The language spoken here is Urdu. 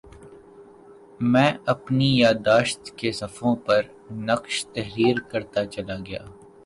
میں اپنی یادداشت کے صفحوں پر نقش تحریر کرتاچلا گیا